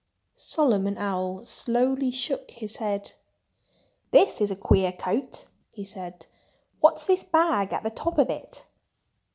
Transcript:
Solomon Owl slowly shook his head. "This is a queer coat!" he said. "What's this bag at the top of it?"